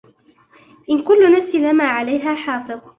إِنْ كُلُّ نَفْسٍ لَمَّا عَلَيْهَا حَافِظٌ